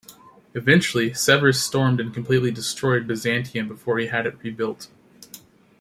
Eventually, Severus stormed and completely destroyed Byzantium before he had it rebuilt.